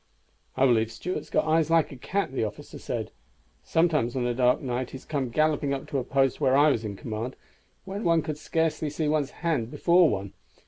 "I believe Stuart's got eyes like a cat," the officer said. "Sometimes on a dark night he has come galloping up to a post where I was in command, when one could scarcely see one's hand before one.